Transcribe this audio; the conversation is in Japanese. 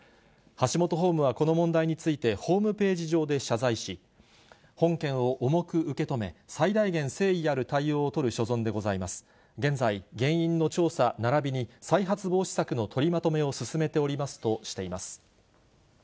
ハシモトホームはこの問題について、ホームページ上で謝罪し、本件を重く受け止め、最大限、原因の調査ならびに再発防止策の取りまとめを進めておりますとしています。